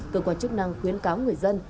cơ quan chức năng khuyến cáo người dân